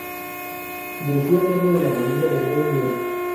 Decía ser de la familia del rey Miro.